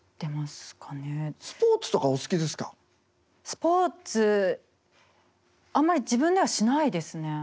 スポーツあんまり自分ではしないですね。